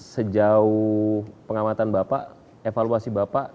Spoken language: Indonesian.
sejauh pengamatan bapak evaluasi bapak